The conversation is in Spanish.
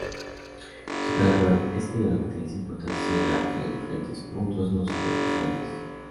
Superando este debate, es importante señalar que los diferentes puntos no son excluyentes.